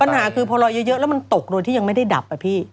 ปัญหาคือพอลอยเยอะแล้วมันตกโดยที่ยังไม่ได้ดับอะพี่